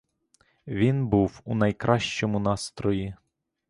Він був у найкращому настрої.